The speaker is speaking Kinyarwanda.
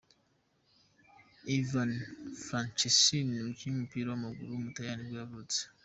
Ivan Franceschini, umukinnyi w’umupira w’amaguru w’umutaliyani nibwo yavutse.